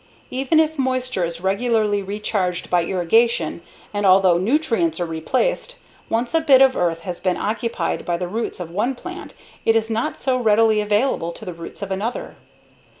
Even if moisture is regularly recharged by irrigation, and although nutrients are replaced, once a bit of earth has been occupied by the roots of one plant it is not so readily available to the roots of another.